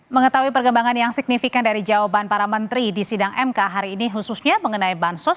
mengetahui perkembangan yang signifikan dari jawaban para menteri di sidang mk hari ini khususnya mengenai bansos